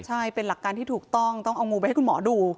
ใช่เป็นหลักการที่ถูกต้องต้องเอางูไปให้คุณหมอดู